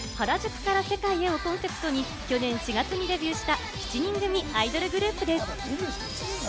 原宿から世界へをコンセプトに去年４月にデビューした７人組アイドルグループです。